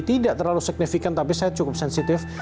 tidak terlalu signifikan tapi saya cukup sensitif